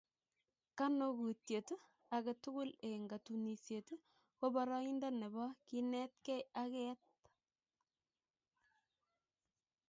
Kanokutiet age tugul eng katunisieet ko boroindo nebo kineetkeei ak keet